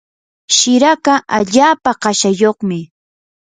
shiraka allaapa kashayuqmi.